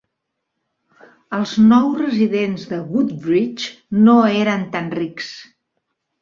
Els nou residents de Woodbridge no eren tan rics.